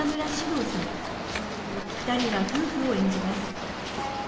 ２人は夫婦を演じます。